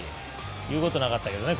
言うことなかったけどね